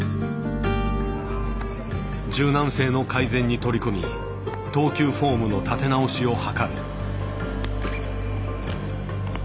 柔軟性の改善に取り組み投球フォームの立て直しを図る。